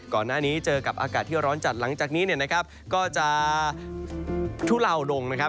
ก่อนหน้านี้เจอกับอากาศที่ร้อนจัดหลังจากนี้ก็จะทุเลาดงนะครับ